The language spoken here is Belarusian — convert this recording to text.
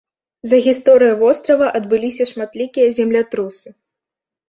За гісторыю вострава адбыліся шматлікія землятрусы.